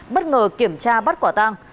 bất ngờ kiểm tra bắt quả tang